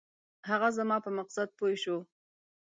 هغه زما په مقصد پوی شو.